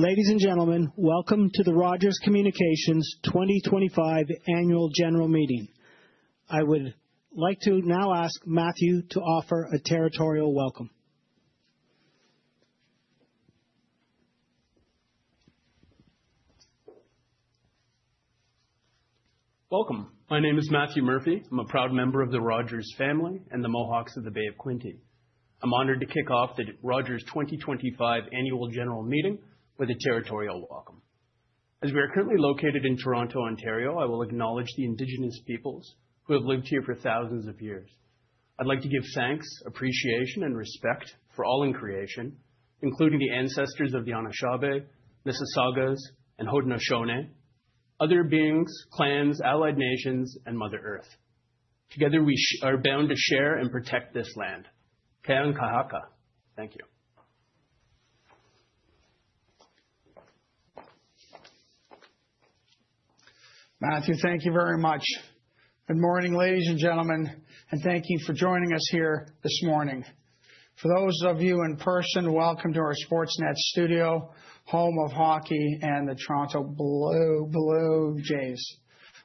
Ladies and gentlemen, welcome to the Rogers Communications 2025 Annual General Meeting. I would like to now ask Matthew to offer a territorial welcome. Welcome. My name is Matthew Murphy. I'm a proud member of the Rogers family and the Mohawks of the Bay of Quinte. I'm honored to kick off the Rogers 2025 Annual General Meeting with a territorial welcome. As we are currently located in Toronto, Ontario, I will acknowledge the Indigenous peoples who have lived here for thousands of years. I'd like to give thanks, appreciation, and respect for all in creation, including the ancestors of the Anishinabe, Mississaugas, and Haudenosaunee, other beings, clans, allied nations, and Mother Earth. Together we are bound to share and protect this land Kanyen'kehà:ka, thank you. Matthew, thank you very much. Good morning, ladies and gentlemen, and thank you for joining us here this morning. For those of you in person, welcome to our Sportsnet studio, home of hockey and the Toronto Blue Jays.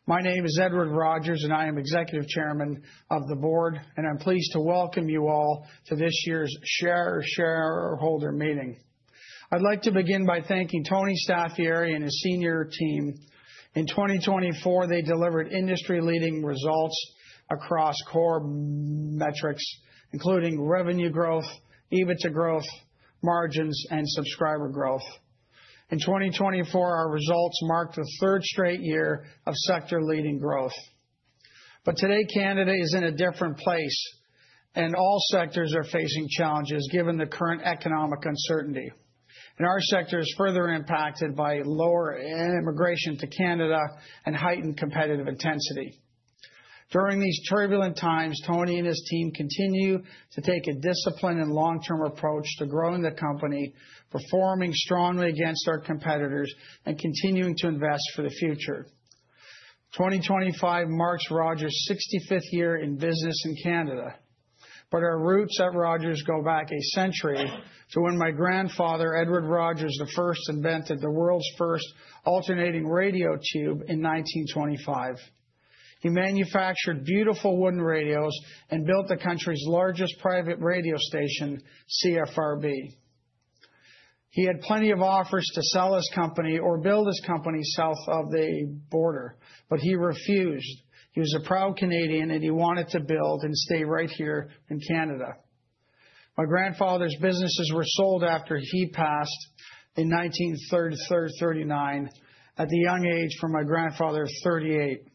My name is Edward Rogers, and I am Executive Chairman of the Board, and I'm pleased to welcome you all to this year's shareholder meeting. I'd like to begin by thanking Tony Staffieri and his senior team. In 2024, they delivered industry-leading results across core metrics, including revenue growth, EBITDA growth, margins, and subscriber growth. In 2024, our results marked the third straight year of sector-leading growth. But today, Canada is in a different place, and all sectors are facing challenges given the current economic uncertainty. And our sector is further impacted by lower immigration to Canada and heightened competitive intensity. During these turbulent times, Tony and his team continue to take a disciplined and long-term approach to growing the company, performing strongly against our competitors, and continuing to invest for the future. 2025 marks Rogers' 65th year in business in Canada, but our roots at Rogers go back a century to when my grandfather, Edward Rogers I, invented the world's first alternating radio tube in 1925. He manufactured beautiful wooden radios and built the country's largest private radio station, CFRB. He had plenty of offers to sell his company or build his company south of the border, but he refused. He was a proud Canadian, and he wanted to build and stay right here in Canada. My grandfather's businesses were sold after he passed in 1933, at the young age of 38.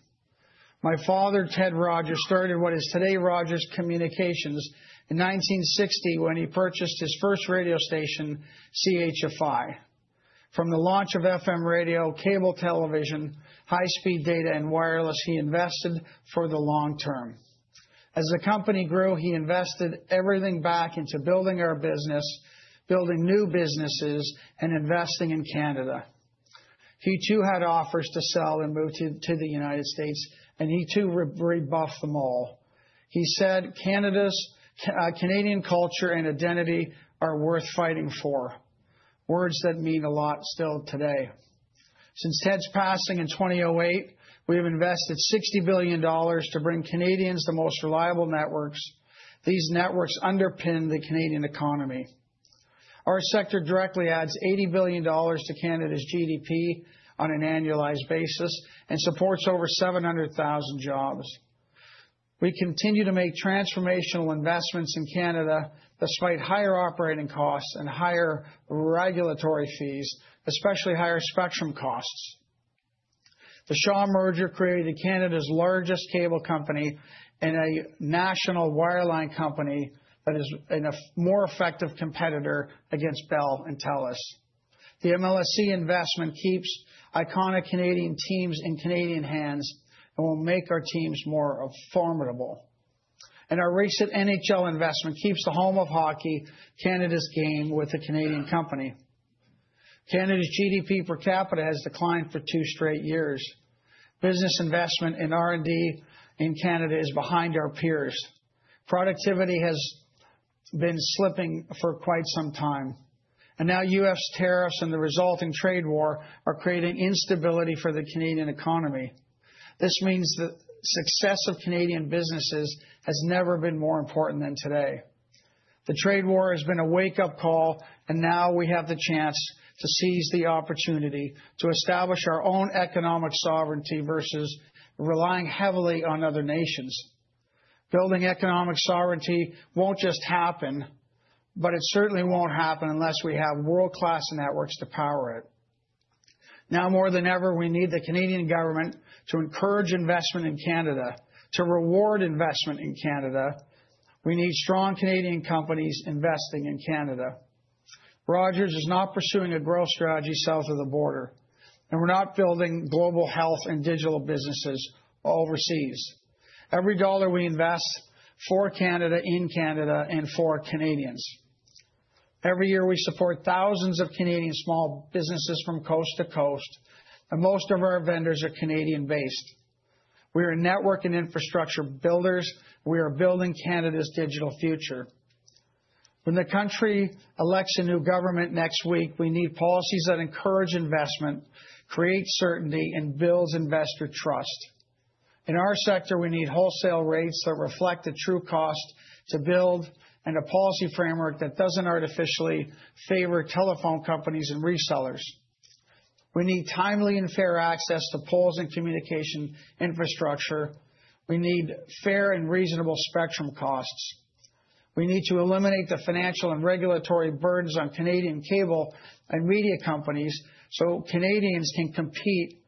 My father, Ted Rogers, started what is today Rogers Communications in 1960 when he purchased his first radio station, CHFI. From the launch of FM radio, cable television, high-speed data, and wireless, he invested for the long term. As the company grew, he invested everything back into building our business, building new businesses, and investing in Canada. He too had offers to sell and move to the United States, and he too rebuffed them all. He said, "Canada's Canadian culture and identity are worth fighting for," words that mean a lot still today. Since Ted's passing in 2008, we have invested 60 billion dollars to bring Canadians the most reliable networks. These networks underpin the Canadian economy. Our sector directly adds 80 billion dollars to Canada's GDP on an annualized basis and supports over 700,000 jobs. We continue to make transformational investments in Canada despite higher operating costs and higher regulatory fees, especially higher spectrum costs. The Shaw Merger created Canada's largest cable company and a national wireline company that is a more effective competitor against Bell and TELUS. The MLSE investment keeps iconic Canadian teams in Canadian hands and will make our teams more formidable, and our recent NHL investment keeps the home of hockey, Canada's game, with a Canadian company. Canada's GDP per capita has declined for two straight years. Business investment in R&D in Canada is behind our peers. Productivity has been slipping for quite some time, and now U.S. tariffs and the resulting trade war are creating instability for the Canadian economy. This means the success of Canadian businesses has never been more important than today. The trade war has been a wake-up call, and now we have the chance to seize the opportunity to establish our own economic sovereignty versus relying heavily on other nations. Building economic sovereignty won't just happen, but it certainly won't happen unless we have world-class networks to power it. Now more than ever, we need the Canadian government to encourage investment in Canada, to reward investment in Canada. We need strong Canadian companies investing in Canada. Rogers is not pursuing a growth strategy south of the border, and we're not building global health and digital businesses overseas. Every dollar we invest is for Canada, in Canada, and for Canadians. Every year, we support thousands of Canadian small businesses from coast to coast, and most of our vendors are Canadian-based. We are network and infrastructure builders, we are building Canada's digital future. When the country elects a new government next week, we need policies that encourage investment, create certainty, and build investor trust. In our sector, we need wholesale rates that reflect the true cost to build and a policy framework that doesn't artificially favor telephone companies and resellers. We need timely and fair access to poles and communication infrastructure. We need fair and reasonable spectrum costs. We need to eliminate the financial and regulatory burdens on Canadian cable and media companies so Canadians can compete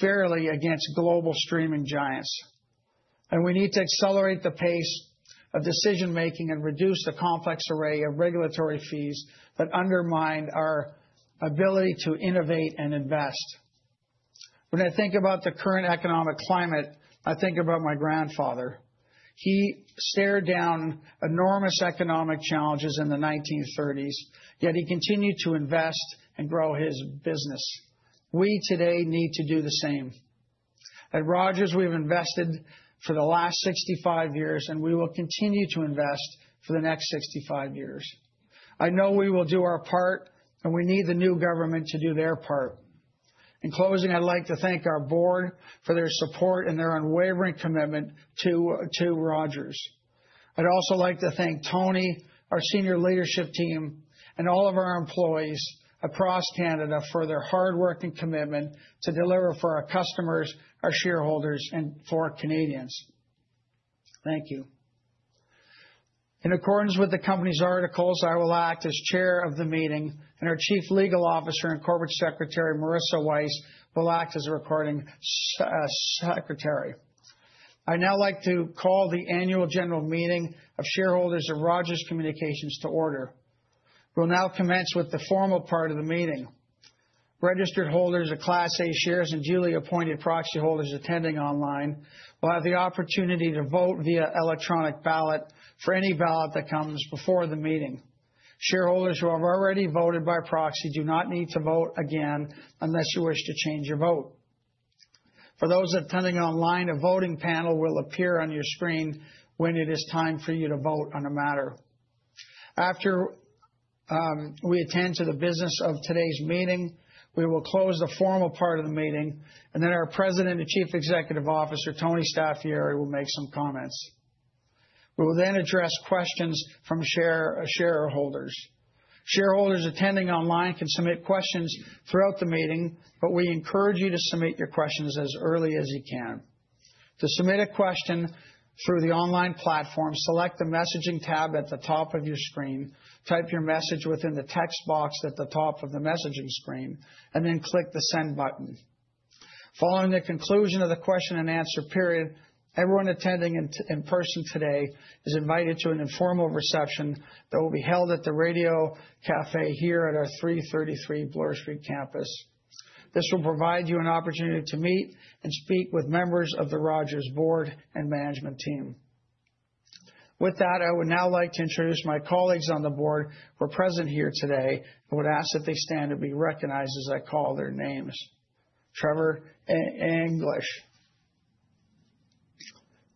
fairly against global streaming giants. And we need to accelerate the pace of decision-making and reduce the complex array of regulatory fees that undermine our ability to innovate and invest. When I think about the current economic climate, I think about my grandfather. He stared down enormous economic challenges in the 1930s, yet he continued to invest and grow his business. We today need to do the same. At Rogers, we've invested for the last 65 years, and we will continue to invest for the next 65 years. I know we will do our part, and we need the new government to do their part. In closing, I'd like to thank our Board for their support and their unwavering commitment to Rogers. I'd also like to thank Tony, our senior leadership team, and all of our employees across Canada for their hard work and commitment to deliver for our customers, our shareholders, and for Canadians. Thank you. In accordance with the company's articles, I will act as chair of the meeting, and our Chief Legal Officer and Corporate Secretary, Marisa Wyse, will act as a recording secretary. I'd now like to call the annual general meeting of shareholders of Rogers Communications to order. We'll now commence with the formal part of the meeting. Registered holders of Class A shares and duly appointed proxy holders attending online will have the opportunity to vote via electronic ballot for any ballot that comes before the meeting. Shareholders who have already voted by proxy do not need to vote again unless you wish to change your vote. For those attending online, a voting panel will appear on your screen when it is time for you to vote on a matter. After we attend to the business of today's meeting, we will close the formal part of the meeting, and then our President and Chief Executive Officer, Tony Staffieri, will make some comments. We will then address questions from shareholders. Shareholders attending online can submit questions throughout the meeting, but we encourage you to submit your questions as early as you can. To submit a question through the online platform, select the messaging tab at the top of your screen, type your message within the text box at the top of the messaging screen, and then click the send button. Following the conclusion of the question and answer period, everyone attending in person today is invited to an informal reception that will be held at the Radio Café here at our 333 Bloor Street campus. This will provide you an opportunity to meet and speak with members of the Rogers Board and management team. With that, I would now like to introduce my colleagues on the board who are present here today and would ask that they stand and be recognized as I call their names. Trevor English,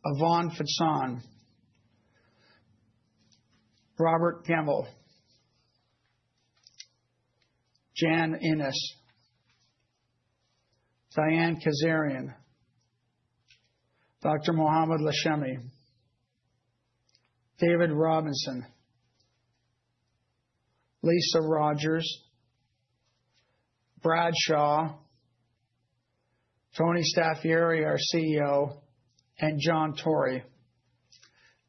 Ivan Fecan, Robert Gemmell, Jan Innes, Diane Kazarian, Dr. Mohamed Lachemi, David Robinson, Lisa Rogers, Brad Shaw, Tony Staffieri, our CEO, and John Tory.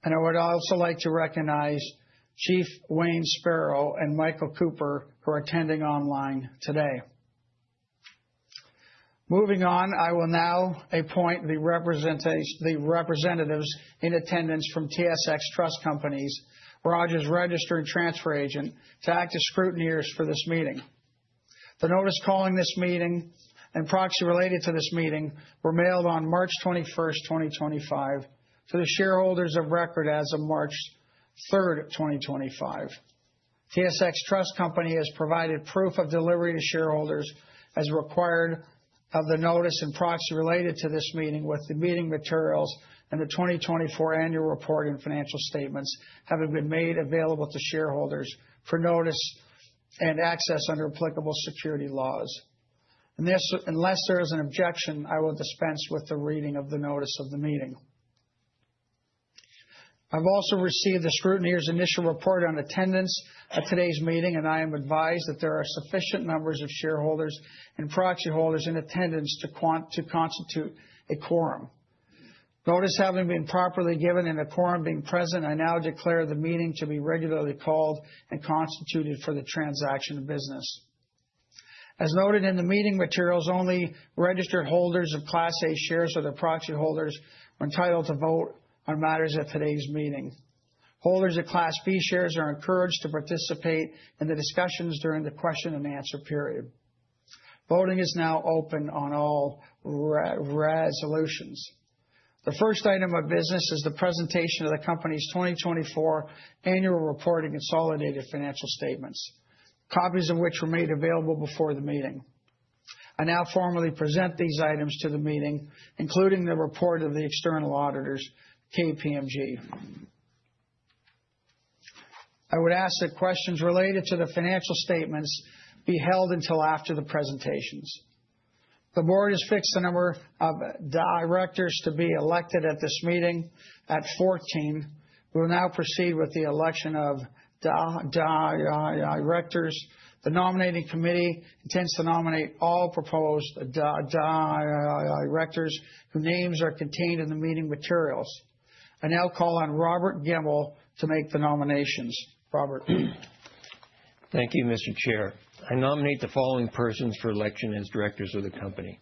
I would also like to recognize Chief Wayne Sparrow and Michael Cooper, who are attending online today. Moving on, I will now appoint the representatives in attendance from TSX Trust Company, Rogers' registered transfer agent, to act as scrutineers for this meeting. The notice calling this meeting and proxy related to this meeting were mailed on March 21st, 2025, to the shareholders of record as of March 3rd, 2025. TSX Trust Company has provided proof of delivery to shareholders as required of the notice and proxy related to this meeting, with the meeting materials and the 2024 annual report and financial statements having been made available to shareholders for notice and access under applicable securities laws. Unless there is an objection, I will dispense with the reading of the notice of the meeting. I've also received the scrutineer's initial report on attendance at today's meeting, and I am advised that there are sufficient numbers of shareholders and proxy holders in attendance to constitute a quorum. Notice having been properly given and a quorum being present, I now declare the meeting to be regularly called and constituted for the transaction of business. As noted in the meeting materials, only registered holders of Class A shares or their proxy holders are entitled to vote on matters at today's meeting. Holders of Class B shares are encouraged to participate in the discussions during the question and answer period. Voting is now open on all resolutions. The first item of business is the presentation of the company's 2024 annual report and consolidated financial statements, copies of which were made available before the meeting. I now formally present these items to the meeting, including the report of the external auditors, KPMG. I would ask that questions related to the financial statements be held until after the presentations. The board has fixed the number of directors to be elected at this meeting at 14. We will now proceed with the election of directors. The nominating committee intends to nominate all proposed directors whose names are contained in the meeting materials. I now call on Robert Gemmell to make the nominations. Robert. Thank you, Mr. Chair. I nominate the following persons for election as directors of the company: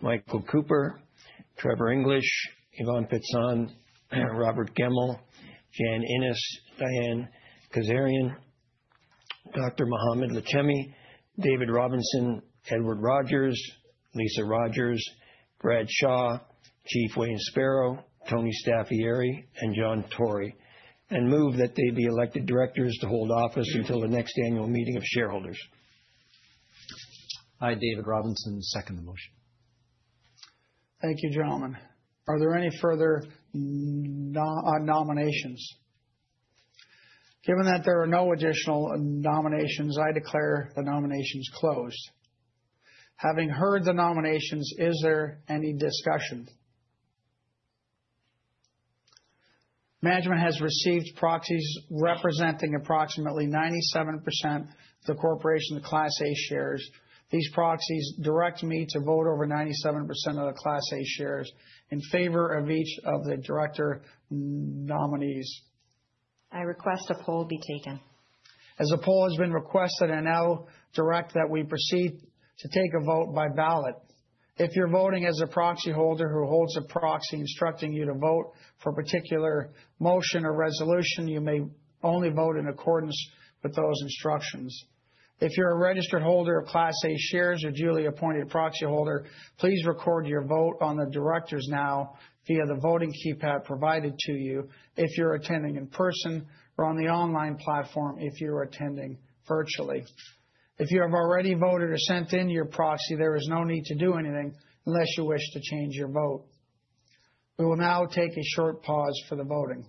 Michael Cooper, Trevor English, Ivan Fecan, Robert Gemmell, Jan Innes, Diane Kazarian, Dr. Mohamed Lachemi, David Robinson, Edward Rogers, Lisa Rogers, Brad Shaw, Chief Wayne Sparrow, Tony Staffieri, and John Tory, and move that they be elected directors to hold office until the next annual meeting of shareholders. Hi, David Robinson, second the motion. Thank you, gentlemen. Are there any further nominations? Given that there are no additional nominations, I declare the nominations closed. Having heard the nominations, is there any discussion? Management has received proxies representing approximately 97% of the corporation's Class A shares. These proxies direct me to vote over 97% of the Class A shares in favor of each of the director nominees. I request a poll be taken. As a poll has been requested, I now direct that we proceed to take a vote by ballot. If you're voting as a proxy holder who holds a proxy instructing you to vote for a particular motion or resolution, you may only vote in accordance with those instructions. If you're a registered holder of Class A Shares or duly appointed proxy holder, please record your vote on the directors now via the voting keypad provided to you if you're attending in person or on the online platform if you're attending virtually. If you have already voted or sent in your proxy, there is no need to do anything unless you wish to change your vote. We will now take a short pause for the voting.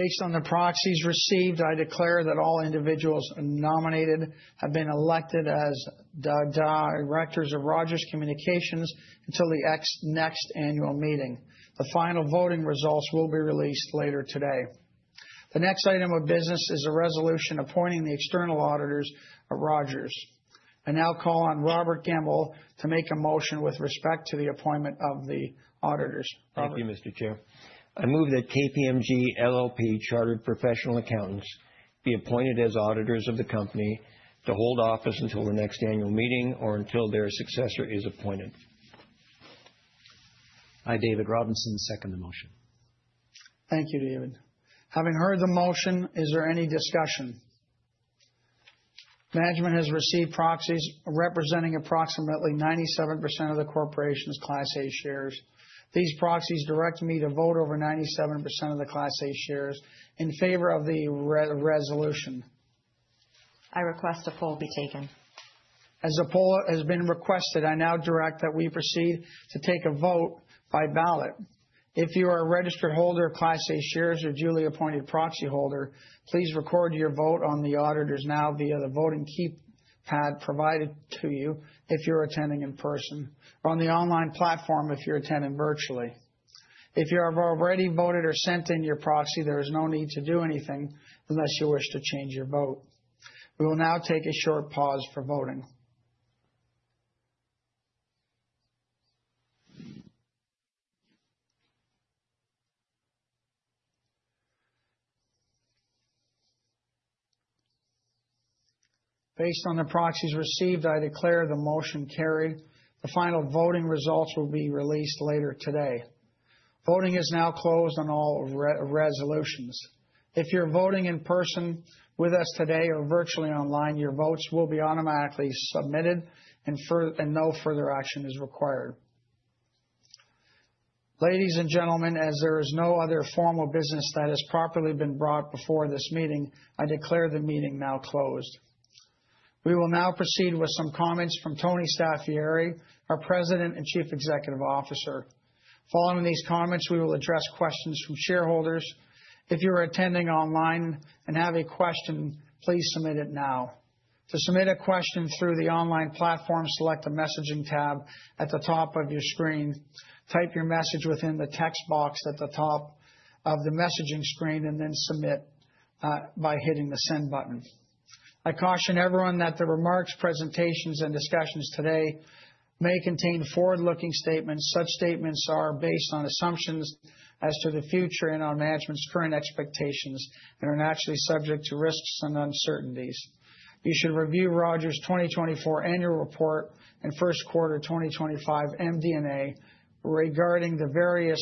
Based on the proxies received, I declare that all individuals nominated have been elected as directors of Rogers Communications until the next annual meeting. The final voting results will be released later today. The next item of business is the resolution appointing the external auditors of Rogers. I now call on Robert Gemmell to make a motion with respect to the appointment of the auditors. Thank you, Mr. Chair. I move that KPMG LLP Chartered Professional Accountants be appointed as auditors of the company to hold office until the next annual meeting or until their successor is appointed. Hi, David Robinson, second the motion. Thank you, David. Having heard the motion, is there any discussion? Management has received proxies representing approximately 97% of the corporation's Class A shares. These proxies direct me to vote over 97% of the Class A shares in favor of the resolution. I request a poll be taken. As a poll has been requested, I now direct that we proceed to take a vote by ballot. If you are a registered holder of Class A shares or duly appointed proxy holder, please record your vote on the auditors now via the voting keypad provided to you if you're attending in person or on the online platform if you're attending virtually. If you have already voted or sent in your proxy, there is no need to do anything unless you wish to change your vote. We will now take a short pause for voting. Based on the proxies received, I declare the motion carried. The final voting results will be released later today. Voting is now closed on all resolutions. If you're voting in person with us today or virtually online, your votes will be automatically submitted and no further action is required. Ladies and gentlemen, as there is no other formal business that has properly been brought before this meeting, I declare the meeting now closed. We will now proceed with some comments from Tony Staffieri, our President and Chief Executive Officer. Following these comments, we will address questions from shareholders. If you are attending online and have a question, please submit it now. To submit a question through the online platform, select the messaging tab at the top of your screen, type your message within the text box at the top of the messaging screen, and then submit by hitting the send button. I caution everyone that the remarks, presentations, and discussions today may contain forward-looking statements. Such statements are based on assumptions as to the future and on management's current expectations and are naturally subject to risks and uncertainties. You should review Rogers' 2024 annual report and first quarter 2025 MD&A regarding the various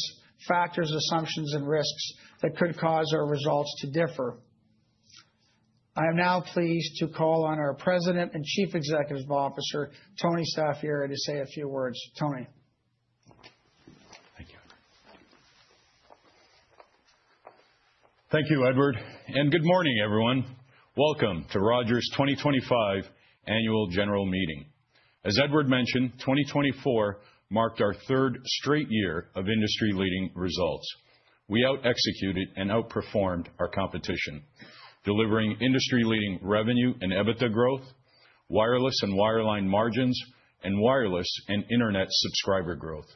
factors, assumptions, and risks that could cause our results to differ. I am now pleased to call on our President and Chief Executive Officer, Tony Staffieri, to say a few words. Tony. Thank you, Edward. Thank you, Edward. And good morning, everyone. Welcome to Rogers' 2025 annual general meeting. As Edward mentioned, 2024 marked our third straight year of industry-leading results. We out-executed and outperformed our competition, delivering industry-leading revenue and EBITDA growth, wireless and wireline margins, and wireless and Internet subscriber growth.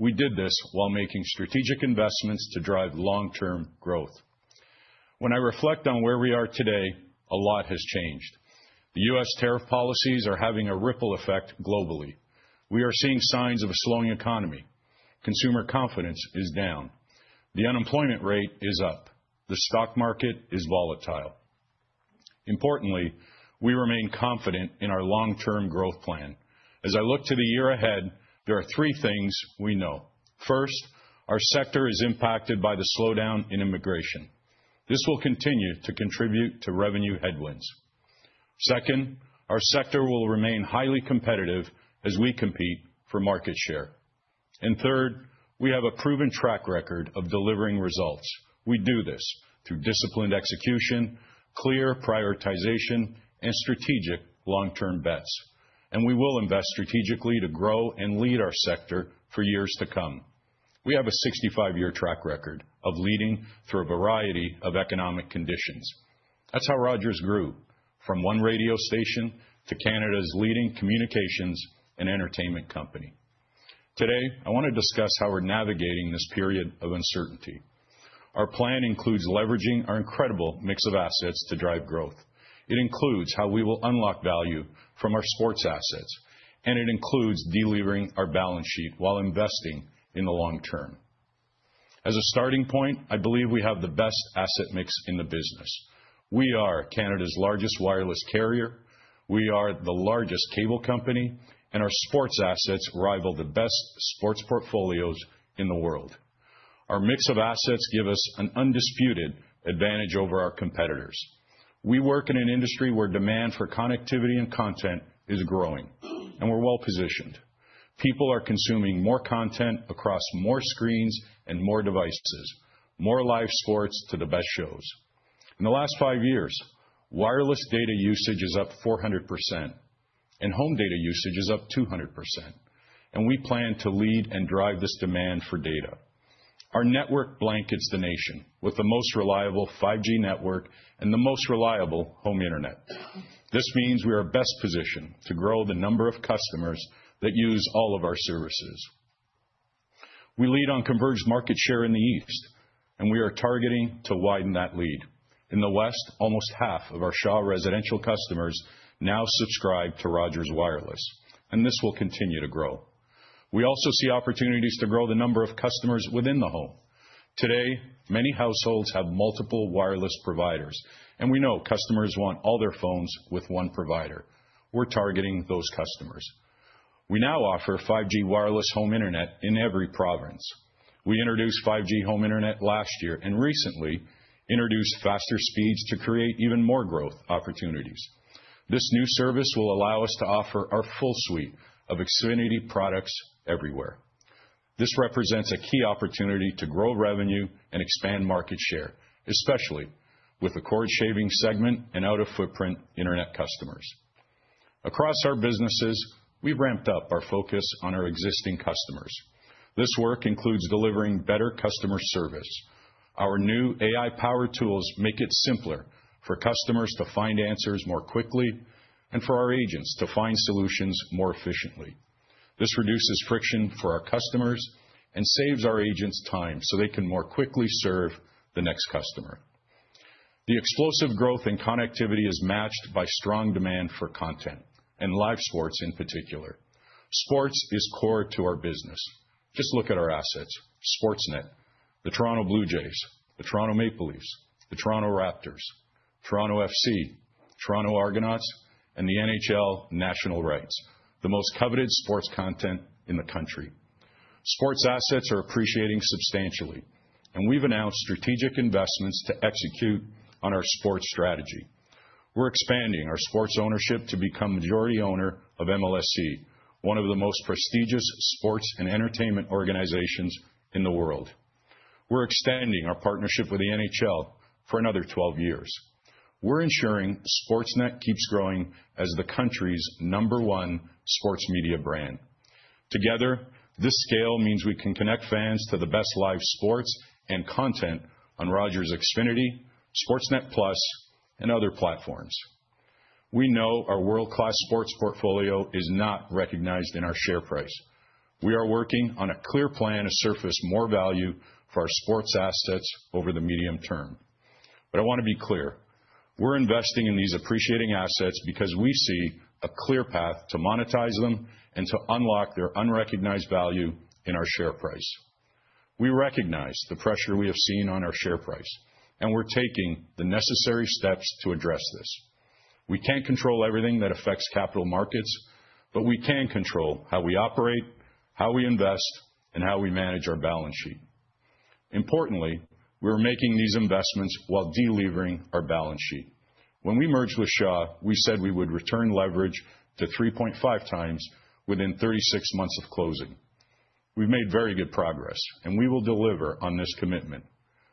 We did this while making strategic investments to drive long-term growth. When I reflect on where we are today, a lot has changed. The U.S. tariff policies are having a ripple effect globally. We are seeing signs of a slowing economy. Consumer confidence is down. The unemployment rate is up. The stock market is volatile. Importantly, we remain confident in our long-term growth plan. As I look to the year ahead, there are three things we know. First, our sector is impacted by the slowdown in immigration. This will continue to contribute to revenue headwinds. Second, our sector will remain highly competitive as we compete for market share. And third, we have a proven track record of delivering results. We do this through disciplined execution, clear prioritization, and strategic long-term bets. And we will invest strategically to grow and lead our sector for years to come. We have a 65-year track record of leading through a variety of economic conditions. That's how Rogers grew from one radio station to Canada's leading communications and entertainment company. Today, I want to discuss how we're navigating this period of uncertainty. Our plan includes leveraging our incredible mix of assets to drive growth. It includes how we will unlock value from our sports assets, and it includes delivering our balance sheet while investing in the long term. As a starting point, I believe we have the best asset mix in the business. We are Canada's largest wireless carrier. We are the largest cable company, and our sports assets rival the best sports portfolios in the world. Our mix of assets gives us an undisputed advantage over our competitors. We work in an industry where demand for connectivity and content is growing, and we're well-positioned. People are consuming more content across more screens and more devices, more live sports to the best shows. In the last five years, wireless data usage is up 400%, and home data usage is up 200%, and we plan to lead and drive this demand for data. Our network blankets the nation with the most reliable 5G network and the most reliable home Internet. This means we are best-positioned to grow the number of customers that use all of our services. We lead on converged market share in the East, and we are targeting to widen that lead. In the West, almost half of our Shaw residential customers now subscribe to Rogers Wireless, and this will continue to grow. We also see opportunities to grow the number of customers within the home. Today, many households have multiple wireless providers, and we know customers want all their phones with one provider. We're targeting those customers. We now offer 5G wireless home Internet in every province. We introduced 5G home Internet last year and recently introduced faster speeds to create even more growth opportunities. This new service will allow us to offer our full suite of Xfinity products everywhere. This represents a key opportunity to grow revenue and expand market share, especially with the cord-shaving segment and out-of-footprint Internet customers. Across our businesses, we've ramped up our focus on our existing customers. This work includes delivering better customer service. Our new AI-powered tools make it simpler for customers to find answers more quickly and for our agents to find solutions more efficiently. This reduces friction for our customers and saves our agents time so they can more quickly serve the next customer. The explosive growth in connectivity is matched by strong demand for content and live sports in particular. Sports is core to our business. Just look at our assets: Sportsnet, the Toronto Blue Jays, the Toronto Maple Leafs, the Toronto Raptors, Toronto FC, Toronto Argonauts, and the NHL National Rights, the most coveted sports content in the country. Sports assets are appreciating substantially, and we've announced strategic investments to execute on our sports strategy. We're expanding our sports ownership to become majority owner of MLSE, one of the most prestigious sports and entertainment organizations in the world. We're extending our partnership with the NHL for another 12 years. We're ensuring Sportsnet keeps growing as the country's number one sports media brand. Together, this scale means we can connect fans to the best live sports and content on Rogers Xfinity, Sportsnet Plus, and other platforms. We know our world-class sports portfolio is not recognized in our share price. We are working on a clear plan to surface more value for our sports assets over the medium term, but I want to be clear. We're investing in these appreciating assets because we see a clear path to monetize them and to unlock their unrecognized value in our share price. We recognize the pressure we have seen on our share price, and we're taking the necessary steps to address this. We can't control everything that affects capital markets, but we can control how we operate, how we invest, and how we manage our balance sheet. Importantly, we're making these investments while delivering our balance sheet. When we merged with Shaw, we said we would return leverage to 3.5 times within 36 months of closing. We've made very good progress, and we will deliver on this commitment.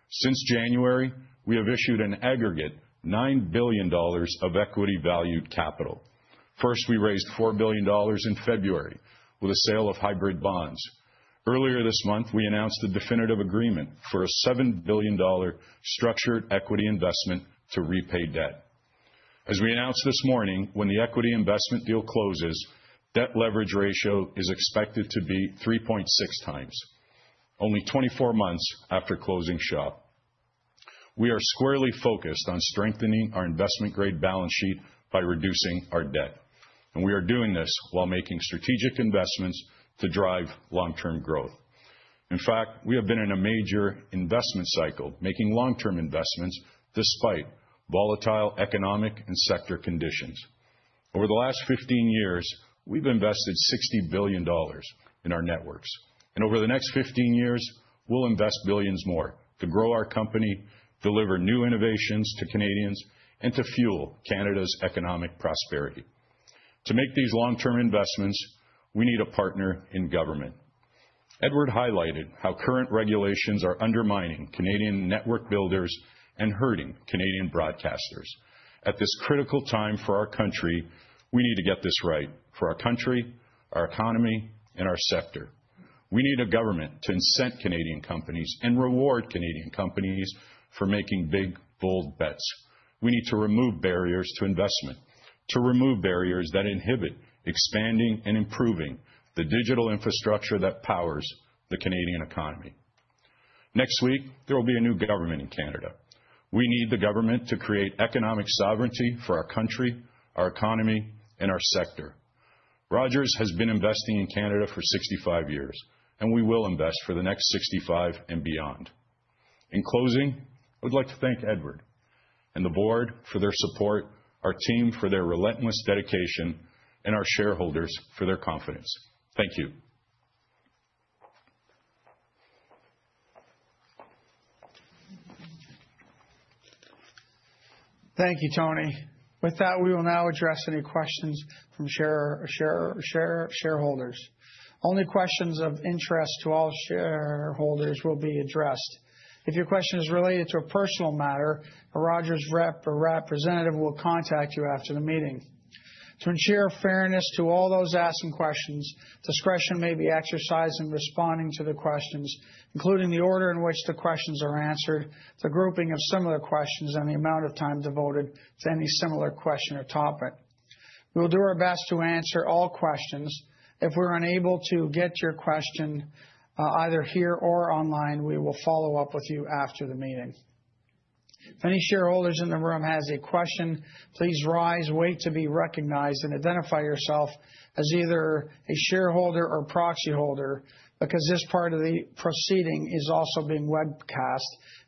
Since January, we have issued an aggregate 9 billion dollars of equity-valued capital. First, we raised 4 billion dollars in February with a sale of hybrid bonds. Earlier this month, we announced the definitive agreement for a 7 billion dollar structured equity investment to repay debt. As we announced this morning, when the equity investment deal closes, debt leverage ratio is expected to be 3.6x, only 24 months after closing Shaw. We are squarely focused on strengthening our investment-grade balance sheet by reducing our debt, and we are doing this while making strategic investments to drive long-term growth. In fact, we have been in a major investment cycle making long-term investments despite volatile economic and sector conditions. Over the last 15 years, we've invested 60 billion dollars in our networks, and over the next 15 years, we'll invest billions more to grow our company, deliver new innovations to Canadians, and to fuel Canada's economic prosperity. To make these long-term investments, we need a partner in government. Edward highlighted how current regulations are undermining Canadian network builders and hurting Canadian broadcasters. At this critical time for our country, we need to get this right for our country, our economy, and our sector. We need a government to incent Canadian companies and reward Canadian companies for making big, bold bets. We need to remove barriers to investment, to remove barriers that inhibit expanding and improving the digital infrastructure that powers the Canadian economy. Next week, there will be a new government in Canada. We need the government to create economic sovereignty for our country, our economy, and our sector. Rogers has been investing in Canada for 65 years, and we will invest for the next 65 and beyond. In closing, I would like to thank Edward and the board for their support, our team for their relentless dedication, and our shareholders for their confidence. Thank you. Thank you, Tony. With that, we will now address any questions from shareholders. Only questions of interest to all shareholders will be addressed. If your question is related to a personal matter, a Rogers rep or representative will contact you after the meeting. To ensure fairness to all those asking questions, discretion may be exercised in responding to the questions, including the order in which the questions are answered, the grouping of similar questions, and the amount of time devoted to any similar question or topic. We will do our best to answer all questions. If we're unable to get your question either here or online, we will follow up with you after the meeting. If any shareholders in the room have a question, please rise, wait to be recognized, and identify yourself as either a shareholder or proxy holder because this part of the proceeding is also being webcast,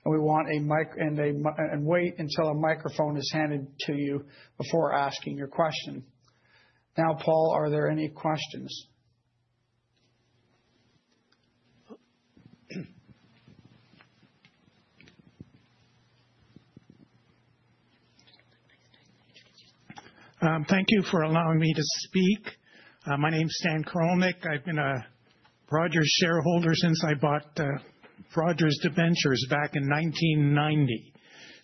and we want a mic and wait until a microphone is handed to you before asking your question. Now, Paul, are there any questions? Thank you for allowing me to speak. My name's Stan Kromnik. I've been a Rogers shareholder since I bought Rogers debentures back in 1990.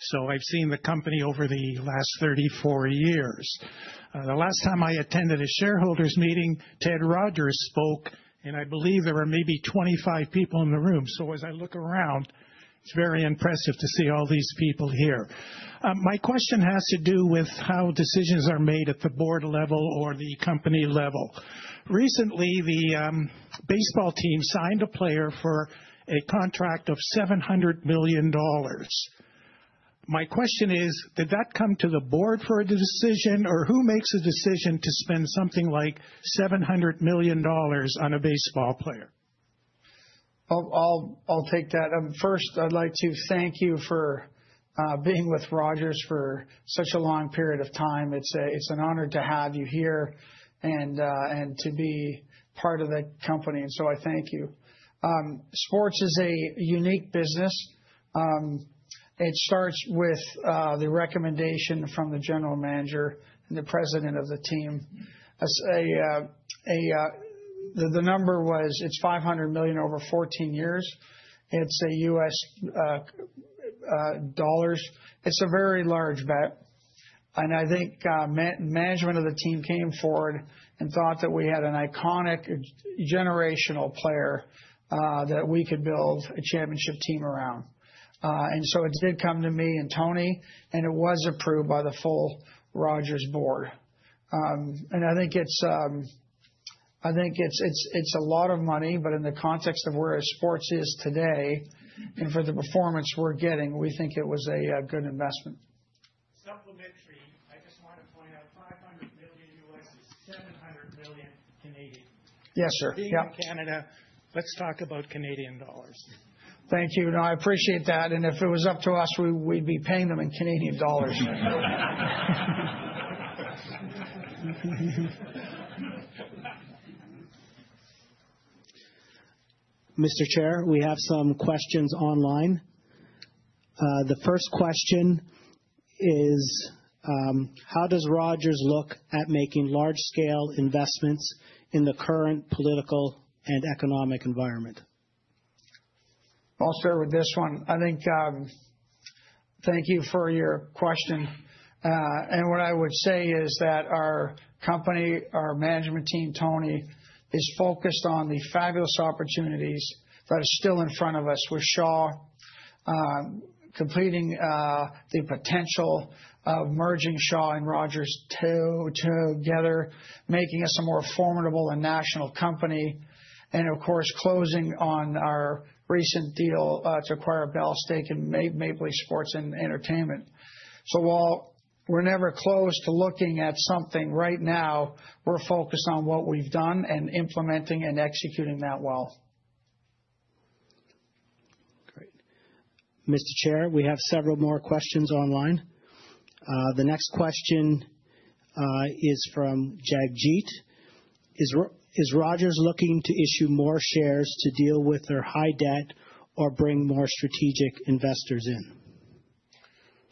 So I've seen the company over the last 34 years. The last time I attended a shareholders meeting, Ted Rogers spoke, and I believe there were maybe 25 people in the room. So as I look around, it's very impressive to see all these people here. My question has to do with how decisions are made at the board level or the company level. Recently, the baseball team signed a player for a contract of $700 million. My question is, did that come to the board for a decision, or who makes a decision to spend something like $700 million on a baseball player? I'll take that. First, I'd like to thank you for being with Rogers for such a long period of time. It's an honor to have you here and to be part of the company, and so I thank you. Sports is a unique business. It starts with the recommendation from the general manager and the president of the team. The number was, it's $500 million USD over 14 years. It's U.S. dollars. It's a very large bet, and I think management of the team came forward and thought that we had an iconic generational player that we could build a championship team around, and so it did come to me and Tony, and it was approved by the full Rogers board. And I think it's a lot of money, but in the context of where sports is today and for the performance we're getting, we think it was a good investment. Supplementary, I just want to point out $500 million USD is 700 million. Yes, sir. Being in Canada, let's talk about Canadian dollars. Thank you. No, I appreciate that. And if it was up to us, we'd be paying them in Canadian dollars. Mr. Chair, we have some questions online. The first question is, how does Rogers look at making large-scale investments in the current political and economic environment? I'll start with this one. I think thank you for your question. And what I would say is that our company, our management team, Tony, is focused on the fabulous opportunities that are still in front of us with Shaw, completing the potential of merging Shaw and Rogers together, making us a more formidable and national company, and of course, closing on our recent deal to acquire Bell's stake and Maple Leaf Sports and Entertainment. So while we're never close to looking at something right now, we're focused on what we've done and implementing and executing that well. Great. Mr. Chair, we have several more questions online. The next question is from Jagjit, is Rogers looking to issue more shares to deal with their high debt or bring more strategic investors in?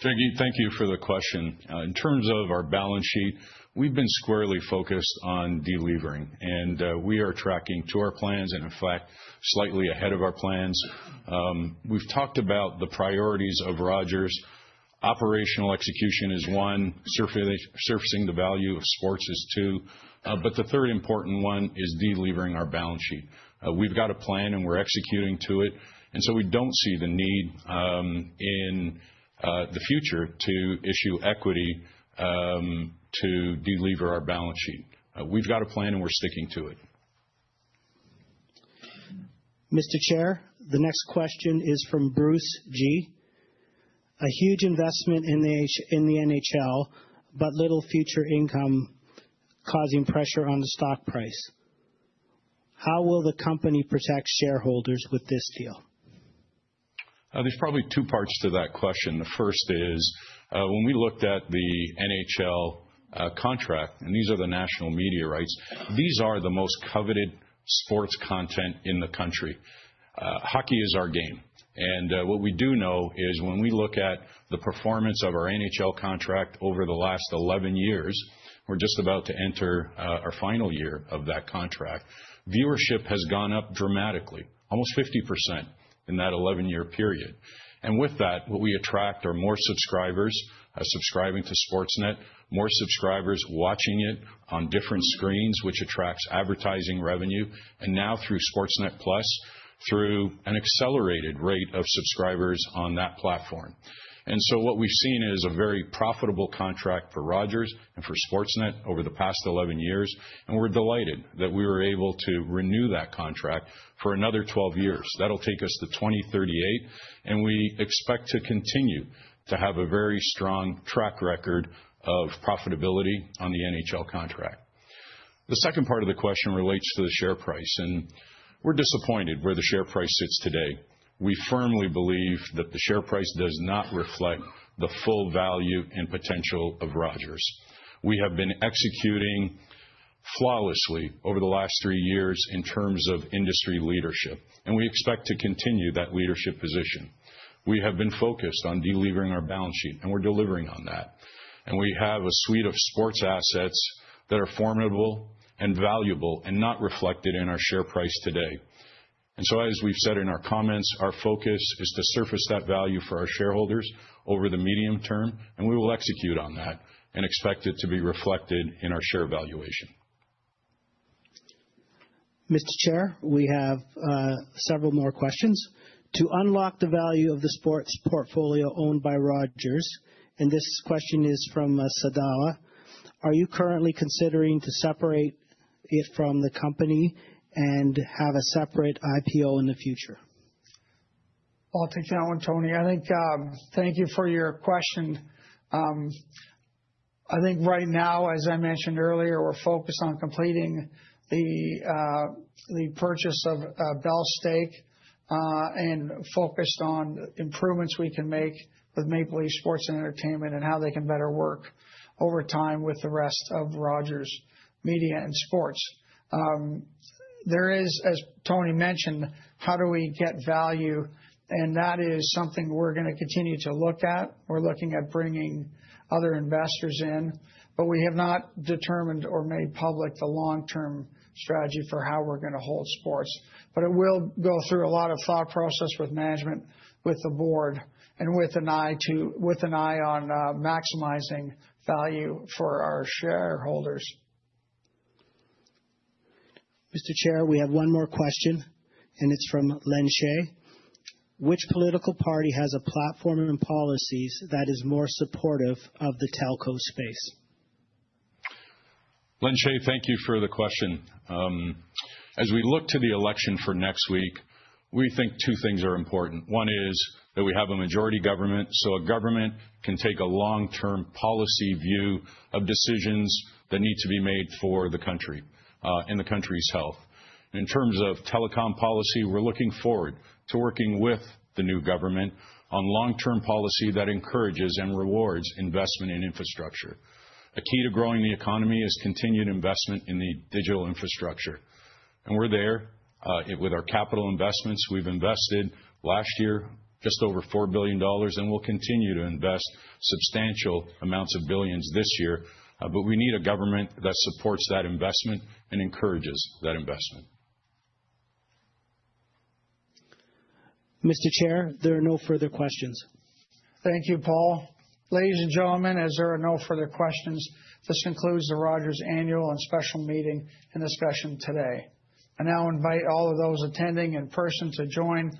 Jagjit, thank you for the question. In terms of our balance sheet, we've been squarely focused on delivering, and we are tracking to our plans and, in fact, slightly ahead of our plans. We've talked about the priorities of Rogers. Operational execution is one. Surfacing the value of sports is two. But the third important one is delivering our balance sheet. We've got a plan, and we're executing to it. And so we don't see the need in the future to issue equity to deliver our balance sheet. We've got a plan, and we're sticking to it. Mr. Chair, the next question is from Bruce G. A huge investment in the NHL, but little future income causing pressure on the stock price. How will the company protect shareholders with this deal? There's probably two parts to that question. The first is, when we looked at the NHL contract, and these are the national media rights, these are the most coveted sports content in the country. Hockey is our game. And what we do know is when we look at the performance of our NHL contract over the last 11 years, we're just about to enter our final year of that contract. Viewership has gone up dramatically, almost 50% in that 11-year period. And with that, what we attract are more subscribers subscribing to Sportsnet, more subscribers watching it on different screens, which attracts advertising revenue, and now through Sportsnet Plus, through an accelerated rate of subscribers on that platform. And so what we've seen is a very profitable contract for Rogers and for Sportsnet over the past 11 years, and we're delighted that we were able to renew that contract for another 12 years. That'll take us to 2038, and we expect to continue to have a very strong track record of profitability on the NHL contract. The second part of the question relates to the share price, and we're disappointed where the share price sits today. We firmly believe that the share price does not reflect the full value and potential of Rogers. We have been executing flawlessly over the last three years in terms of industry leadership, and we expect to continue that leadership position. We have been focused on delivering our balance sheet, and we're delivering on that. And we have a suite of sports assets that are formidable and valuable and not reflected in our share price today. And so, as we've said in our comments, our focus is to surface that value for our shareholders over the medium term, and we will execute on that and expect it to be reflected in our share valuation. Mr. Chair, we have several more questions. To unlock the value of the sports portfolio owned by Rogers, and this question is from Sadala. Are you currently considering to separate it from the company and have a separate IPO in the future? I'll take that one, Tony. I think thank you for your question. I think right now, as I mentioned earlier, we're focused on completing the purchase of Bell's stake and focused on improvements we can make with Maple Leaf Sports and Entertainment and how they can better work over time with the rest of Rogers Media and Sports. There is, as Tony mentioned, how do we get value, and that is something we're going to continue to look at. We're looking at bringing other investors in, but we have not determined or made public the long-term strategy for how we're going to hold sports. But it will go through a lot of thought process with management, with the board, and with an eye on maximizing value for our shareholders. Mr. Chair, we have one more question, and it's from Len Che. Which political party has a platform and policies that is more supportive of the telco space? Len Che, thank you for the question. As we look to the election for next week, we think two things are important. One is that we have a majority government so a government can take a long-term policy view of decisions that need to be made for the country and the country's health. In terms of telecom policy, we're looking forward to working with the new government on long-term policy that encourages and rewards investment in infrastructure. A key to growing the economy is continued investment in the digital infrastructure. And we're there with our capital investments. We've invested last year just over 4 billion dollars, and we'll continue to invest substantial amounts of billions this year. But we need a government that supports that investment and encourages that investment. Mr. Chair, there are no further questions. Thank you, Paul. Ladies and gentlemen, as there are no further questions, this concludes the Rogers Annual and Special Meeting and discussion today. I now invite all of those attending in person to join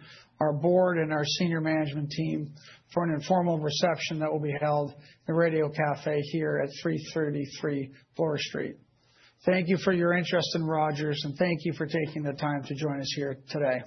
our board and our senior management team for an informal reception that will be held in the Radio Café here at 333 Bloor Street. Thank you for your interest in Rogers, and thank you for taking the time to join us here today.